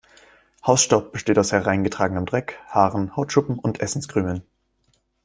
Hausstaub besteht aus hereingetragenem Dreck, Haaren, Hautschuppen und Essenskrümeln.